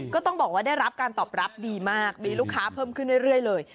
ก็ต้องบอกว่าได้รับการตอบรับดีมากมีลูกค้าเพิ่มขึ้นเรื่อยเลย